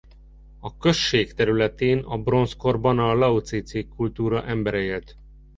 A község területén a bronzkorban a lausitzi kultúra embere élt.